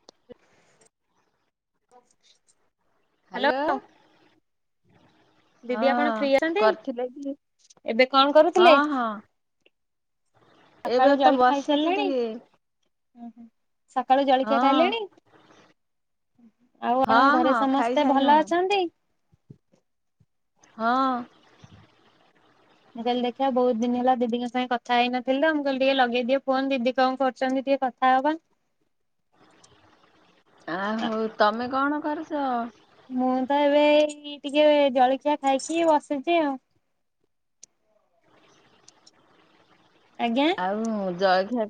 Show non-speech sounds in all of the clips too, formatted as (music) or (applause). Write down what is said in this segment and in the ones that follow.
ହ (unintelligible) ହ (unintelligible) ହ୍ୟାଲୋ। ଦିଦି ଆପଣ ଫ୍ରି ହଁ ଅଛନ୍ତି କରିଥିଲେ କି ଏବେ କଣ ହଁ କରୁଥିଲେ? ହଁ ସକାଳୁ ଏବେ ତ ବସିଛି ଟିକେ ହୁଁ ହୁଁ। ସକାଳୁ ଜଳଖିଆ ହଁ ଖାଇଲେଣି? ଆଉ ହଁ କଣ ଘରେ ହଁ ସମସ୍ତେ ଭଲ ଖାଇସାଇଲୁଣୁ ଅଛନ୍ତି? ହଁ। ଆଜି କାଲି ଦେଖିବା ବହୁତ ଦିନ ହେଲା ଦିଦିଙ୍କ ସାଙ୍ଗେ କଥା ହେଇନଥିଲ ମୁଁ କହିଲି ଟିକେ ଲଗେଇଦିଅ ଫୋନ ଦିଦି କଣ କରୁଛନ୍ତି ଟିକେ କଥା ହବା। ଆହୋ ତମେ କଣ (unintelligible) ଖରଷ (inaudible) ମୁଁ ତ ଏବେ ଟିକେ ଜଳଖିଆ ଖାଇକି ବସିଛି ଆଉ। ଆଜ୍ଞା। ଆଉ ଜୟ ଘ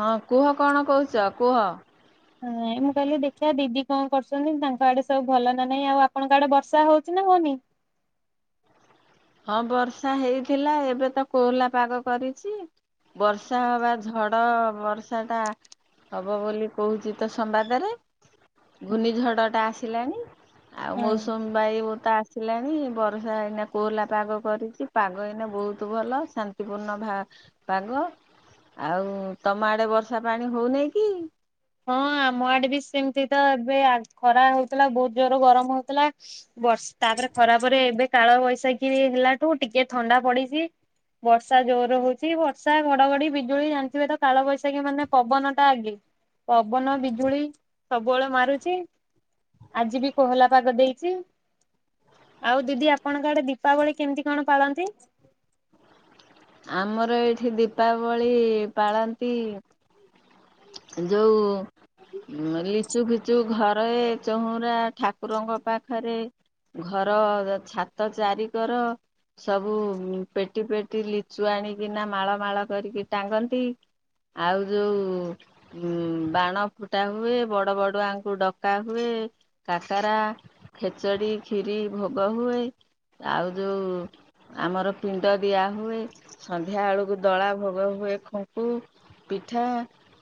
ହଁ (inaudible) କୁହ କଣ କହୁଛ କୁହ। ହଁ ମୁଁ କହିଲି ଦେଖିବା ଦିଦି କଣ କରୁଛନ୍ତି ତାଙ୍କ ଆଡେ ସବୁ ଭଲ ନା ନାହିଁ ଆଉ ଆପଣଙ୍କ ଆଡେ ବର୍ଷା ହଉଛି ନା ହଉନି? ହଁ ବର୍ଷା ହେଇଥିଲା ଏବେ ତ କୋହଲା ପାଗ କରିଛି। ବର୍ଷା ହବା ଝଡ଼ ହଁ ବର୍ଷା ଟା ହବ ବୋଲି କହୁଛି ତ ସମ୍ବାଦରେ। ଘୂର୍ଣ୍ଣିଝଡ଼ଟା ଆସେ। ଥିଲାଣି (inaudible) ଆଉ ହଁ ମୌସୁମୀ ବାୟୁ ଆସିଲାଣି ବର୍ଷା ଏଇନା କୋହଲା ପାଗ କରିଛି ପାଗ ଏଇନା ବହୁତ ଭଲ। ଶାନ୍ତିପୂର୍ଣ୍ଣ ପାଗ ଆଉ ତମ ଆଡ଼େ ବର୍ଷା ପାଣି ହେଉନାହିଁ କି? ହଁ ଆମ ଆଡେ ବି ସେମିତି ତ ଏବେ ଆ ଖରା ହଉଥିଲା ବହୁତ ଜୋର ଗରମ ହଉଥିଲା। ବର୍ଷ୍ ତାପରେ ଖରାବରେ ଏବେ କାଳବୈଶାଖୀ ହେଲାଠୁ ଟିକେ ଥଣ୍ଡା ପଡ଼ିଛି ବର୍ଷା ଜୋର ହଉଛି ବର୍ଷା ଘଡଘଡି ବିଜୁଳି ଜାଣିଥିବେ ତ କାଳବୈଶାଖୀ ମାନେ ପବନ ଟା ଆଗେ। ପବନ ବିଜୁଳି ସବୁଆଳେ ମାରୁଛି ଆଜି ବି କୋହଲା ପାଗ ଦେଇଛି ଆଉ ଦିଦି ଆପଣଙ୍କ ଆଡ଼େ ଦୀପାବଳି କେମିତି କଣ ପାଳନ୍ତି? ଆମର ଏଇଠି ଦୀପାବଳି ପାଳନ୍ତି ଯୋଉ (unintelligible) ଲିଚୁ ପିଚୁ ଘଟ୍ ଏ ଚଉୁରା ଠାକୁରଙ୍କ ପାଖରେ ଘର ଛାତ ଚାରି କର ସବୁ ପେଟି ପେଟି ଲିଚୁ ଆଣିକିନା ମାଳ ମାଳ କରିକି ଟାଙ୍ଗନ୍ତି ଆଉ ଯୋଉଁ ଉ ବାଣ ଫୁଟା ହୁଏ ବଡ଼ ବଡ଼ୁଆଙ୍କୁ ଡକା ହୁଏ କାକରା ଖେଚଡ଼ି ଖିରି ଭୋଗ ହୁଏ ଆଉ ଯୋଉ ଆମର ପିଣ୍ଡ ଦିଆ ହୁଏ। ସନ୍ଧ୍ୟାବେଳକୁ ଦଳା ଭୋଗ ହୁଏ ଖଙ୍କୁ ପିଠା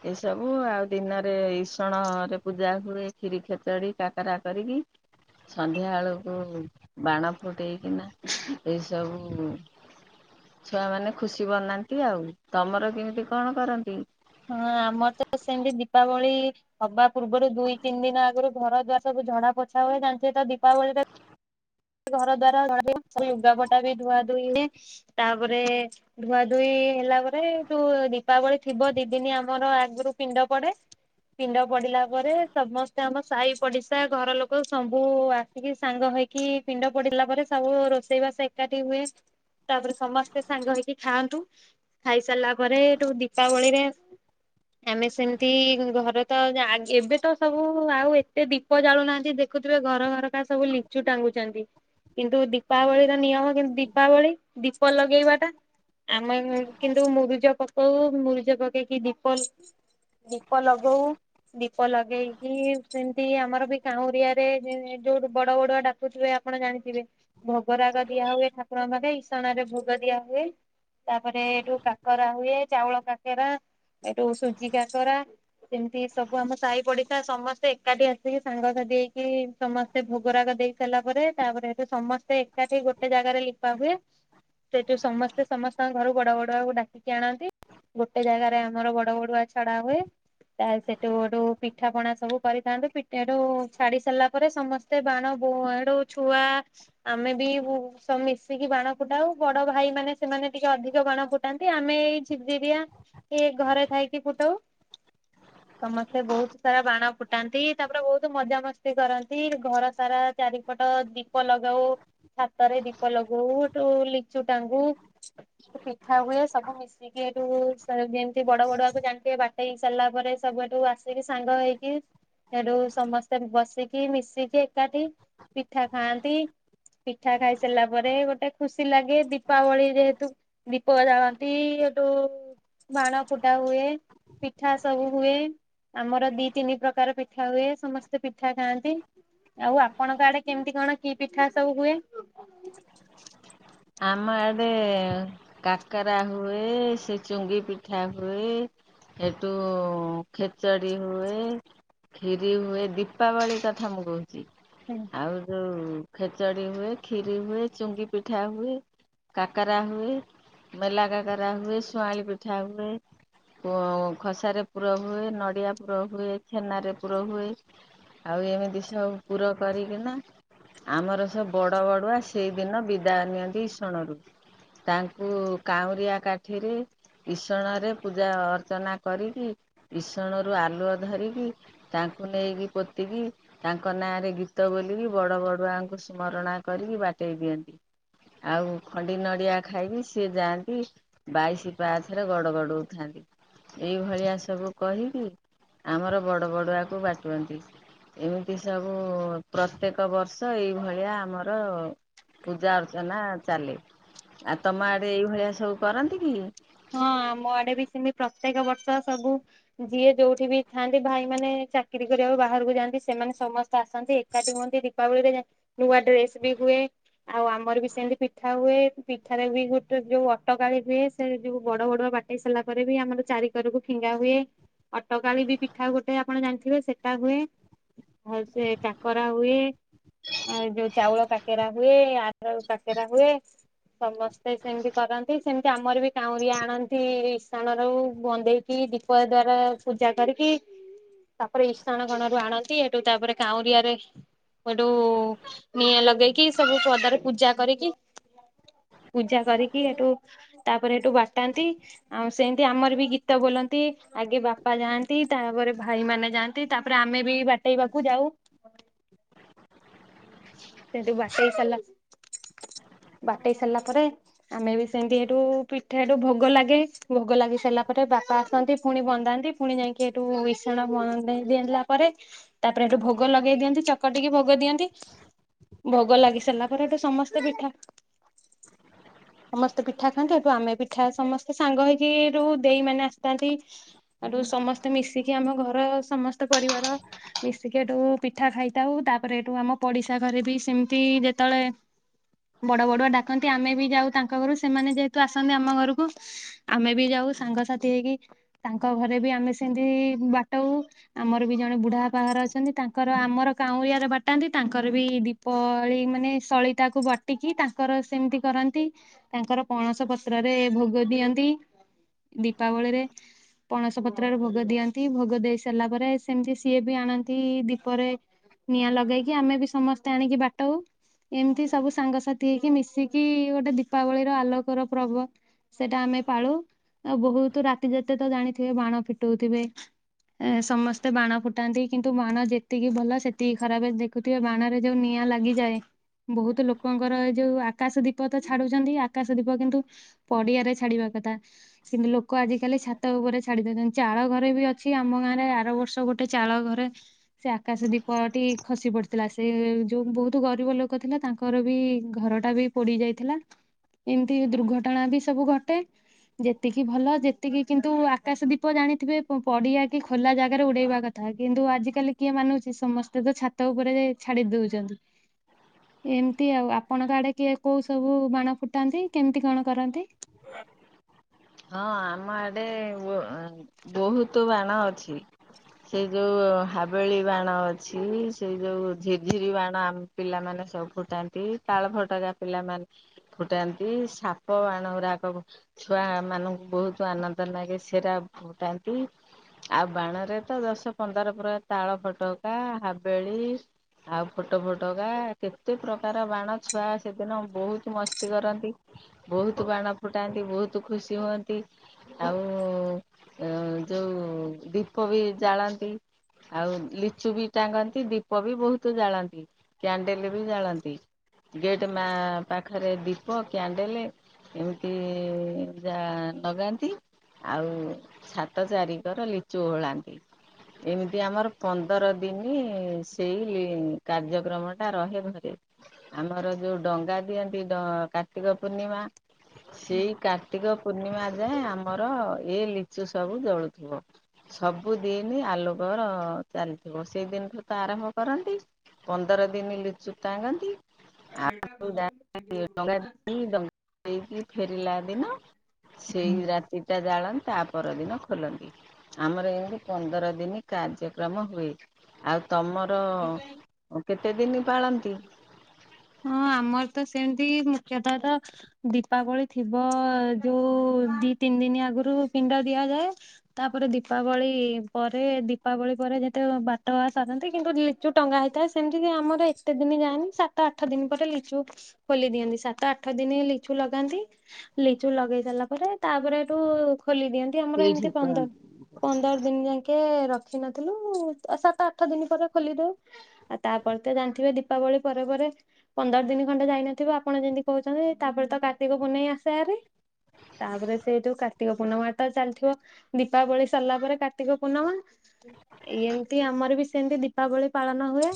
ଏସବୁ ଆଉ ଦିନରେ ଇସଣରେ ପୂଜା ହୁଏ କ୍ଷିରି, ଖେଚଡ଼ି, କାକରା, କରିକି ସନ୍ଧ୍ୟା ଆଳକୁ ବାଣ ଫୁଟେଇକିନା ଖା ଏଇ ସବୁ ଛୁଆ ମାନେ ଖୁସି ବନାନ୍ତି। ଆଉ ତମର କେମିତି କଣ କରନ୍ତି? ହଁ ଆମର ତ ସେମିତି ଦୀପାବଳି ହବା ପୂର୍ବରୁ ଦୁଇ ତିନି ଦିନ ଆଗରୁ ଘର ଦୁଆର ସବୁ ଝଡା ପୋଛା ହୁଏ। ଜାଣି ତ ଦୀପାବଳିରେ ଘର ଦ୍ୱାରା ଘର ମୁଁ ଲୁଗାପଟା ବି ଧୁଆ ଧୁଇ ହେ ତାପ ତାପରେ ଧୁଆ ଧୁଇ ହେଲାପରେ ଜୋ ଦିପାବଳୀ ଥିବ ଦି ଦିନି ଆମର ଆଗରୁ ପିଣ୍ଡ ପଡ଼େ ପିଣ୍ଡ ପଡ଼ିଲା ପରେ ସମସ୍ତେ ଆମ ସାହି ପଡ଼ିଶା ଘର ଲୋକ ସବୁ ଆସିକି ସାଙ୍ଗ ହେଇକି ପିଣ୍ଡ ପଡିଲା ପରେ ସବୁ ରୋଷେଇବାସ ଏକାଠି ହୁଏ ତାପରେ ସମସ୍ତେ ସାଙ୍ଗ ହେଇକି ଖାଆନ୍ତୁ ଖାଇସାରିଲା ପରେ ଏଠୁ ଦୀପାବଳିରେ ଆମେ ସେମିତି ଘର ତ ଆଗେ ଏବେ ତ ସବୁ ଆଉ ଏତେ ଦୀପ ଜାଳୁନାହାନ୍ତି ଦେଖୁଥିବେ ଘର ଘର କ ସବୁ ଲିଚୁ ଟାଙ୍ଗୁ ଛନ୍ତି କିନ୍ତୁ ଦୀପାବଳି ର ନିୟମ କିନ୍ତୁ ଦୀପାବଳି ଦୀପଲଗେଇବାଟା ଆମ ଘରେ କିନ୍ତୁ ମୁରୁଜ ପକଉ ମୁରୁଜ ପକେଇକି ଦୀପ ଲ ଲଗାଉ ଦୀପ ଲଗେଇଲି ସେମିତି ଆମର କାଉଁରିଆରେ ଯେ ଯୋଉ ବଡ଼ ବଡ଼ ଡା ଦେଖୁଥିବେ ଆପଣ ଜାଣିଥିବେ ଭୋଗରାଗ ଦିଆ ହୁଏ ଠାକୁରଙ୍କ କଦେଇ ଇସଣ ରେ ଭୋଗ ଦିଆ ହୁଏ ତାପରେ ଏଠୁ କାକରା ହୁଏ ଚାଉଳ କାକରା ଏଠୁ ସୁଜି କାକରା ସେମିତି ସବୁ ଆମ ସାହି ପଡିଶା ସମସ୍ତେ ଏକାଠି ଆସିକି ସାଙ୍ଗ ସାଥି ହେଇକି ସମସ୍ତେ ଭୋଗରାଗ ଦେଇ ହେଲା ପରେ ତାପରେ ସେଠୁ ସମସ୍ତେ ଏକାଠି ଗୋଟେ ଜାଗାରେ ଲିପା ହୁଏ ସେଠୁ ସମସ୍ତେ ସମସ୍ତଙ୍କ ଘରୁ ବଡ ବଡୁଆକୁ ଡାକିକି ଆଣନ୍ତି ଗୋଟେ ଜାଗାରେ ଆମର ବଡ ବଡୁଆ ଛଡ଼ା ହୁଏ ତା ସେଠୁ ଏଠୁ ପିଠା ପଣା ସବୁ କରିଥାନ୍ତୁ ପିଠ ଏଠୁ ଛାଡି ସାରିଲା ପରେ ସମସ୍ତେ ବାଣ କୁଆଳୁ ଛୁଆ ଆମେ ବି ବୁ ମିଶିକି ବାଣ ଫୁଟାଉ ବଡ଼ ଭାଇ ମାନେ ସେମାନେ ଟିକେ ଅଧିକ ବାଣ ଫୁଟାନ୍ତି ଆମେ ଏଇ ଝିରଝିରିୟା ଏ ଘରେ ଥାଇକି ଫୁଟାଉ ସମସ୍ତେ ବହୁତ ସାରା ବାଣ ଫୁଟାନ୍ତି ତାପରେ ବହୁତ ମଜାମସ୍ତି କରନ୍ତି ଘର ସାରା ଚାରିପଟ ଦୀପ ଲଗାଉ ଛାତରେ ଦୀପ ଲଗଉ ଏଠୁ ଲିଚୁ ଟାଙ୍ଗୁ ପିଠା ହୁଏ ସବୁ ମିଶିକି ଏଠୁ ସ ଯେମିତି ବଡ଼ ବଡ଼ଆକୁ ଜାଣିଥିବେ ବାଟେଇକି ସାରିଲା ପରେ ସବୁ ଏଠୁ ଆସିକି ସାଙ୍ଗ ହେଇକି ସେଠୁ ସମସ୍ତେ ବସିକି ମିଶିକି ଏକାଠି ପିଠା ଖାଆନ୍ତି ପିଠା ଖାଇ ସାରିଲା ପରେ ଗୋଟେ ଖୁସି ଲାଗେ ଦୀପାବଳି ରେ ଦୁ ଦୀପ ଜାଳନ୍ତି ଏଠୁ ବାଣ ଫୁଟା ହୁଏ ପିଠା ସବୁ ହୁଏ ଆମର ଦି ତିନି ପ୍ରକାର ପିଠା ହୁଏ ସମସ୍ତେ ପିଠା ଖାଆନ୍ତି ଆଉ ଆପଣଙ୍କ ଆଡ଼େ କେମିତି କଣ କି ପିଠା ସବୁ ହୁଏ? ଆମ ଆଡେ କାକରା ହୁଏ, ସେ ଚୁଙ୍ଗି ପିଠା, ହୁଏ ସେଠୁ ଖେଚଡ଼ି ହୁଏ କ୍ଷୀରି ହୁଏ ଦୀପାବଳି କଥା ମୁଁ କହୁଛି। ଯେ ଆଉ ଯୋଉ ହୁଁ ଖେଚଡ଼ି ହୁଏ ଖିୀରି ହୁଏ ଚୁଙ୍ଗି ପିଠା ହୁ କାକରା ହୁଏ ମେଲା କାକରା ହୁଏ ଶୁଆଁଲି ପିଠା ହୁଏ ବଅ ଖସାର ପୁର ହୁଏ ନଡ଼ିଆ ପୁର ହୁଏ ଛେନାରେ ପୁର ହୁଏ ଆଉ ଏମିତି ସବୁ ପୁର କରିକିନା ଆମର ସବୁ ବଡ଼ ବଡ଼ୁଆ ସେଇଦିନ ବିଦା ନିଅନ୍ତି। ଇସଣରୁ ତାଙ୍କୁ କାଉଁରିଆ କାଠିରେ ଇସଣରେ ପୂଜା ଅର୍ଚ୍ଚନା କରିକି ଇସଣରୁ ଆଲୁଅ ଧରିକି ତାଙ୍କୁ ନେଇକି ପୋତିକି ତାଙ୍କ ନାଁରେ ଗୀତ ବୋଲିକି ବଡ଼ ବଡ଼ୁଆଙ୍କୁ ସ୍ମରଣା କରିକି ବାଟେଇ ଦିଅନ୍ତି। ଆଉ ଖଣ୍ଡି ନଡ଼ିଆ ଖାଇକି ସେଏ ଯାଆନ୍ତି ବାଇଶି ପାଚ୍ ରେ ଗଡ଼ ଗଡ଼ଉଥାନ୍ତି ଏଇଭଳିଆ ସବୁ କହିକି ଆମର ବଡ ବଡୁଆକୁ ବାଟୁନ୍ତି ଏମିତି ସବୁ ପ୍ରତ୍ୟେକ ବର୍ଷ ଏଇଭଳିଆ ଆମର ପୂଜା ଅଚ ଅରଚନା ଚାଲେ ଆଉ ତମ ଆଡ଼େ ଏଇଭଳିଆ ସବୁ କରନ୍ତି କି? ହଁ ଆମ ଆଡେ ବି ସେମତି ପ୍ରତ୍ୟେକ ବର୍ଷ ସବୁ ଯିଏ ଯୋଉଠି ବି ଥାନ୍ତି ଭାଇ ମାନ ଚାକିରୀ କରିବାକୁ ବାହାରକୁ ଯାଆନ୍ତି ସେମାନେ ସମସ୍ତେ ଆସନ୍ତି ଏକାଠି ହୁଅନ୍ତି ଦୀପାବଳିରେ ନୂଆ ଡ୍ରେସ ବି ହୁଏ ଆଉ ଆମର ବି ସେମିତି ପିଠା ହୁଏ ପିଠାରେ ବି ଗୋଟେ ଯୋଉ ଅଟକାଳି ହୁଏ ସେ ଯଉ ବଡ଼ ବଡ଼ ବାଟେଇ ସାରିଲା ପରେ ବି ଆମର ଚାରିକରକୁ ଫିଙ୍ଗା ହୁଏ ଅଟକାଳି ବି ପିଠା ଗୋଟେ ଆପଣ ଜାଣିଥିବେ ସେଟା ହୁଏ। ଆଉ ସେ କାକରା ହୁଏ ଆଉ ଯୋଉ ଚାଉଳ କାକେରା ହୁଏ ଆର ରଉ କାକରା ହୁଏ ସମସ୍ତେ ସେମିତି କରନ୍ତି ସେମତି ଆମର ବି କାଉରି ଆଣନ୍ତି ରିସ୍ ଇସାଣ ରୁ ବଧେଇକି ଦୀପ ଦ୍ଵାରା ପୂଜା କରିକି ତାପରେ ଇସାଣ କଣ ରୁ ଆଣନ୍ତି ଏଠୁ ତାପରେ କାଉଁରିଆରେ ଏଠୁ ନିଆଁ ଲଗେଇକି ସବୁ ପଦାରେ ପୂଜା କରିକି ପୂଜା କରିକି ଏଠୁ ତା ତାପରେ ଏଠୁ ବାଟାନ୍ତି ଆଉ ସେମିତି ଆମର ବି ଗୀତ ବୋଲନ୍ତି ଆଗେ ବାପା ଯାଆନ୍ତି ତାପରେ ଭାଇ ମାନ ଯାଆନ୍ତି ତାପରେ ଆମେ ବି ବାଟେଇବାକୁ ଯାଉ, ସେଠୁ ବାଟେଇ ସାରିଲା (unintelligible) ବାଟେଇ ସାରିଲା ପରେ ଆମେ ବି ସେମିତି ଏଠୁ ପିଠା ଏଠୁ ଭୋଗ ଲାଗେ ଭୋଗ ଲାଗି ସାରିଲା ପରେ ବାପା ଆସନ୍ତି ପୁଣି ବନ୍ଧାନ୍ତି ପୁଣି ଯାଇକି ସେଠୁ ବିସାଣ ଭଣ ଦେଇଦେଇଲା ପରେ ତାପରେ ଏଠୁ ଭୋଗ ଲଗେଇ ଦିଅନ୍ତି ଚକଟିକି ଭୋଗ ଦିଅନ୍ତି। ଭୋଗ ଲାଗି ସାରିଲା ପରେ ଏଠୁ ସମସ୍ତେ ପିଠା (unintelligible) ସମସ୍ତେ ପିଠା ଖାଆନ୍ତି ଏଠୁ ଆମେ ପିଠା ସମସ୍ତେ ସାଙ୍ଗ ହେଇକି ଏଠୁ ଦେଇ ମାନେ ଆସିଥାନ୍ତି ଏଠୁ ସମସ୍ତେ ମିଶିକି ଆମ ଘର ସମସ୍ତେ ପରିବାର ମିଶିକି ଏଠୁ ପିଠା ଖାଇଥାଉ ତାପରେ ଏଠୁ ଆମ ପଡିଶା ତାଙ୍କ ଘରେ ବି ସେମିତି ଯେତେବେଳେ ବଡ ବଡୁଆ ଡାକନ୍ତି ଆମେ ବି ଯାଉ ତାଙ୍କ ଘରୁ ସେମାନେ ଯେହେତୁ ଆସନ୍ତି ଆମ ଘରକୁ ଆମେ ବି ଯାଉ ସାଙ୍ଗସଥି ହେଇକି ତାଙ୍କ ଘରେ ବି ଆମେ ସେମିତି ବାଟଉ ଆମର ବି ଜଣେ ବୁଢା ପାଘର ଅଛନ୍ତି ତାଙ୍କର ଆମର କାଉଁ ରିଆରେ ବାଟାନ୍ତି ତାଙ୍କ ତାଙ୍କର ବି ଦୀପାବଳି ମାନେ ସଳି ତାକୁ ବଟିକି ତାଙ୍କର ସେମିତି କରନ୍ତି ତାଙ୍କର ପଣସ ପତ୍ରରେ ଭୋଗ ଦିଅନ୍ତି ଦୀପାବଳିରେ ପଣସ ପତ୍ରରେ ଭୋଗ ଦିଅନ୍ତି ଭୋଗ ଦେଇ ସାରିଲା ପରେ ସେମିତି ସିଏ ବି ଆଣନ୍ତି ଦୀପରେ ନିଆଁ ଲଗେଇକି ଆମେ ବିସ୍ ସମସ୍ତେ ଆଣିକି ବାଟଉ ଏମିତି ସବୁ ସାଙ୍ଗସାଥି ହେଇକି ମିଶିକି ଗୋଟେ ଦୀପାବଳିର ଆଲୋକର ପର୍ବ ସେଟା ଆମେ ପାଳୁ ଆଉ ବହୁତ ରାତି ଯେତେ ତ ଜାଣିଥିବେ ବାଣ ଫୁଟଉଥିବେ ଏ ସମସ୍ତେ ବାଣ ଫୁଟାନ୍ତି କିନ୍ତୁ ବାଣ ଯେତିକି ଭଲ ସେତିକି ଖରାପ ଦେଖୁଥିବେ ବାଣ ଯ ନିଆଁ ଲାଗିଯାଏ ବହୁତ ଲୋକଙ୍କର ଏ ଯୋଉ ଆକାଶ ଦୀପ ତ ଛାଡୁଛନ୍ତି ଆକାଶ ଦୀପ କିନ୍ତୁ ପଡିଆରେ ଛାଡିବା କଥା କି ଲୋକ ଆଜିିକାଲି ଛାତ ଉପରେ ଛାଡି ଦଉଛନ୍ତି ଚାଳ ଘରେ ବି ଅଛି ଆମ ଗାଁ ରେ ଆର ବର୍ଷ ଗୋଟେ ଚାଳ ଘରେ ସେ ଆକାଶ ଦୀପ ଟି ଖସି ପଡିଥିଲା। ସେ ଯୋଉ ବହୁତ ଗରିବ ଲୋକ ଥିଲା ତାଙ୍କର ବି ଘର ଟା ବି ପୋଡି ଯାଇଥିଲା। ଏମିତି ଦୁର୍ଘଟଣା ବି ସବୁ ଘଟେ ଯେତିକି ଭଲ ଯେତିକି କିନ୍ତୁ ଆକାଶ ଦୀପ ଜାଣିଥିବେ। ପଡିଆ କି ଖୋଲା ଜାଗାରେ ଉଡେଇବା କଥା। କିନ୍ତୁ ଆଜିିକାଲି କିଏ ମାନୁଚି। ସେ ସମସ୍ତେ ତ ଛାତ ଉପରେ ଯାଇ। ଛାଡି ଦଉଛନ୍ତି ଏମିତି ଆଉ ଆପଣଙ୍କ ଆଡେ କିଏ କୋଉ ସବୁ ବାଣ ଫୁଟାନ୍ତି କେମିତି କଣ କରନ୍ତି। ହଁ ଆମ ଆଡେ ବହୁତ ବାଣ ଅଛି ସେଇ ଯୋଉ ହାବେଳି ବାଣ ଅଛି ସେଇ ଯୋଉ ଝିର୍ଝିରି ବାଣ ପିଲାମାନେ ସବୁ ଫୁଟାନ୍ତି ତାଳ ଫଟକା ପିଲାମାନେ ଫୁଟାନ୍ତି ସାପ ବାଣ ଗୁଡାକ ଛୁଆ। ମାନଙ୍କୁ ବହୁତ ଆନନ୍ଦ ଲାଗେ ସେରା ଫୁଟାନ୍ତି ଆଉ ବାଣରେ ତ ଦଶ ପନ୍ଦର ପ୍ର ତାଳଫଟକା, ହାବେଳି ଆଉ ଫୋଟ ଫୋଟକା କେତେ ପ୍ରକାର ବାଣ ଛୁଆ ସେଦିନ ବହୁତ ମସ୍ତି କରନ୍ତି ବହୁତ ବାଣ ଫୁଟାନ୍ତି ବହୁତ। ଖୁସି ହୁଅନ୍ତି ଆଉ ଯେଉଁ ଦୀପ ବି ଜାଳନ୍ତି ଆଉ ଲିଚୁ ବି ଟାଙ୍ଗନ୍ତି ଦୀପ ବି ବହୁତ ଜାଳନ୍ତି କ୍ୟାଣ୍ଡେଲ ବି ଜାଳନ୍ତି ଗେଟ୍ ମା ପାଖରେ ଦୀପ କ୍ୟାଣ୍ଡେଲ ଏମିତି। ପୂଜା ଲଗାନ୍ତି ଆଉ। ହାତ ଚାରିିକର ଲିଚୁ ହୋଳାନ୍ତି ଏମିତି ଆମର ପନ୍ଦର ଦିନ ସେଇ କାର୍ଯ୍ୟକ୍ରମଟା ରହେ ଘରେ ଆମର ଯେଉଁ ଡଙ୍ଗା ଦିଅନ୍ତି କାର୍ତ୍ତିକ ପୂର୍ଣ୍ଣିମା। ସେଇ ହୁଁ କା। ପୂର୍ଣ୍ଣିମା ଯାଏ ଆମର ଏଇ ଲିଚୁ ସବୁ ଜୋଳୁଥିବ ସବୁ ଦିନ ଆଲୋକର ଚାଲିଥିବ ସେଇ ଦିନଠୁ ତ ଆରମ୍ଭ କରନ୍ତି ପନ୍ଦର ଦିନ ଲିଚୁ ଟାଙ୍ଗନ୍ତି। ଆଉା ଦେଇ ଦେଇକି ଫେରିଲା ଦିନମ। ସେଇ ରାତିଟା ଜାଳ। ତା ପରଦିନ ଖୋଲନ୍ତି ଆମର ଏମିତି ପନ୍ଦର ଦିନ କାର୍ଯ୍ୟକ୍ରମ ହୁଏ ଆଉ। ତମର? କେତେ ଦିନ। ପାଳନ୍ତି? ହଁ ଆମର ତ ସେମତି। ମୁଖ୍ୟତଃ ତ ଦୀପାବଳି ଥିବ ଯୋଉ ଦି ତିନି ଦିନ ଆଗରୁ ପିଣ୍ଡା ଦିଆଯାଏ ତାପରେ ଦୀପାବଳି ପରେ ଦୀପାବଳି ପରେ ଯେତେ ବାଟ ବା ସାରନ୍ତି କିନ୍ତୁ ଲିଚୁ ଟଙ୍ଗା ହେଇଥାଏ ସେମିତି ଆମର। କେତେ ଦିନ ଯାଆନି ସାତ ଆଠ ଦିନ ପରେ ଲିଚୁ ଖୋଲି ଦିଅନ୍ତି ସାତ ଆଠ ଦିନ ଲିଚୁ ଲଗାନ୍ତି ଲିଚୁ ଲଗେଇ ସାରିଲା ପରେ ତାପରେ ଏଠୁ। ଖୋଲି ଦିଅନ୍ତି ଆମର ଏଇଠି ଏମତି ପନ୍ଦର କହନ୍ତି। ପନ୍ଦର ଦିନ ଯାକେ ରଖିନଥିଲୁ ସାତ ଆଠ ଦିନ ପରେ ଖୋଲି ଦଉ ଆଉ ତାପରେ ତ ଜାଣିଥିବେ। ଦୀପାବଳି ପରେ ପରେ ପନ୍ଦର ଦିନ ଖଣ୍ଡେ ଯାଇନଥିବ ଆପଣ ଯେମିତି କହୁଛନ୍ତି ତାପରେ ତ କାର୍ତ୍ତିକ ପୂନେଇଁ ଆରି ତାପରେ ସେ ଯୋ କାର୍ତ୍ତିକ ପୂର୍ଣ୍ଣିମା ତ ଚାଲିଥିବ ଦୀପାବଳି ସରିଲା ପରେ କାର୍ତ୍ତିକ ପୂର୍ଣ୍ଣିମା ଏ ଏମତି ଆମର ବି ସେମତି ଦୀପାବଳି ପାଳନ ହୁଏ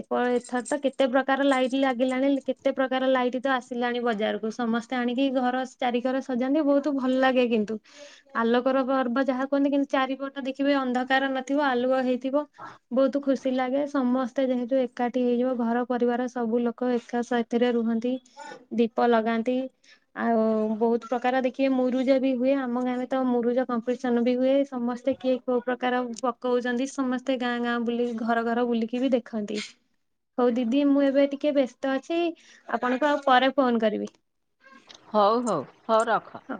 ଏପ। ଅଥାତ୍ତ କେତେ ପ୍ରକାର ଲାଇଟ ଲାଗିଲାଣି କେତେ ପ୍ରକାର ଲାଇଟ୍ ତ ଆସିଲାଣି ବଜାରକୁ ସମସ୍ତେ ଆଣିକି ଘର ଚାରି ଘର ସଜାନ୍ତି ବହୁତ ଭଲ ଲାଗେ କିନ୍ତୁ ଆଲୋକର ପର୍ବ ଯାହା କୁହନ୍ତି କିନ୍ତୁ ଚାରିପଟ ଦେଖିବେ ଅନ୍ଧକାର ନଥିବ ଆଲୁଅ ହେଇଥିବ ବହୁତ ଖୁସି ଲାଗେ ସମସ୍ତେ ଯେହେତୁ ଏକାଠି। ହେଇଯିବ ଘର ପରିବାର ସବୁ ଲୋକ ଏକାସଥିରେ ରୁହନ୍ତି ଦୀପ ଲଗାନ୍ତି ଆଉ ବହୁତ ପ୍ରକାର ଦେଖିବେ ମୁରୁଜ ବି ହୁଏ ଆମ ଗାଁରେ ତ ମୁରୁଜ କମ୍ପିଟିସନ ବି ହୁଏ ସମସ୍ତେ କିଏ କୋଉ ପ୍ରକାର ପକଉଛନ୍ତି ସମସ୍ତେ ଗାଁ ଗାଁ ବୁଲି ଘର ଘର ବୁଲିକି ବି ଦେଖନ୍ତି। ହଉ ଦିଦି ମୁଁ ଏବେ ଟିକେ ବ୍ୟସ୍ତ ଅଛି ଆପଣଙ୍କୁ ଆଉ ପରେ ଫୋନ କରିବି। ହଉ ହଉ। ହଉ ରଖ। ହଉ।